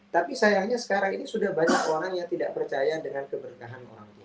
tapi sayangnya sekarang ini sudah banyak orang yang tidak percaya dengan keberkahan orang tua